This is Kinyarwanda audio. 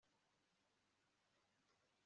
Amagambo yo kuruma yagurutse